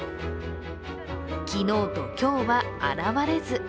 昨日と今日は現れず。